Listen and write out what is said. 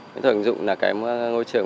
mỹ thuật ứng dụng là cái ngôi trường